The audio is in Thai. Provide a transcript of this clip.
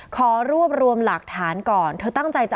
ขอรวบรวมหลักฐานก่อน